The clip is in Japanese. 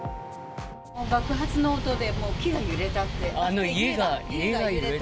爆発の音で、家が揺れた。